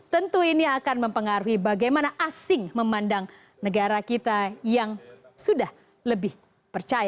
tentu ini akan mempengaruhi bagaimana asing memandang negara kita yang sudah lebih percaya